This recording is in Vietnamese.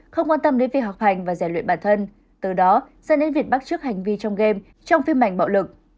không quan tâm đến việc học hành và giải luyện bản thân từ đó sẽ đến việc bắt trước hành vi trong game trong phim ảnh bạo lực